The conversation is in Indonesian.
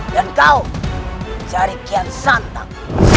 dan kau cari kian santang